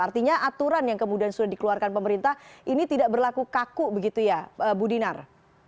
artinya aturan yang kemudian sudah dikeluarkan pemerintah ini tidak berlaku kaku begitu ya bu dinar